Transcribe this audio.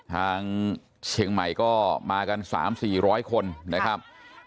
ทางเชียงใหม่ก็มากันสามสี่ร้อยคนนะครับ